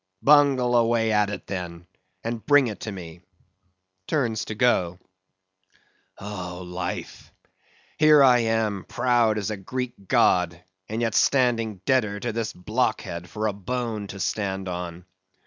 Bungle away at it then, and bring it to me (turns to go). Oh, Life! Here I am, proud as Greek god, and yet standing debtor to this blockhead for a bone to stand on!